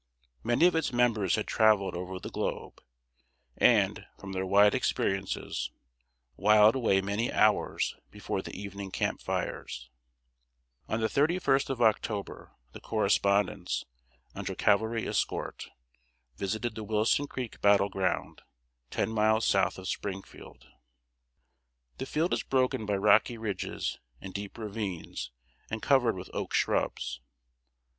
Many of its members had traveled over the globe, and, from their wide experiences, whiled away many hours before the evening camp fires. On the 31st of October, the correspondents, under cavalry escort, visited the Wilson Creek battle ground, ten miles south of Springfield. The field is broken by rocky ridges and deep ravines, and covered with oak shrubs.